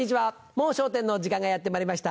『もう笑点』の時間がやってまいりました。